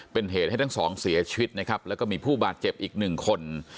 เป็นเหตุให้ทั้งสองเสียชีวิตนะครับแล้วก็มีผู้บาดเจ็บอีกหนึ่งคน